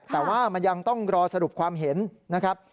แต่ว่ามันยังต้องรอสรุปความเห็นนะครับ